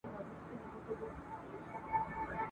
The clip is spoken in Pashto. شپې رخصت پر جنازو کړې په سهار پسي سهار کې !.